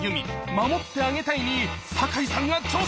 「守ってあげたい」に坂井さんが挑戦！